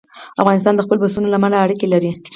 افغانستان د خپلو پسونو له امله اړیکې لري.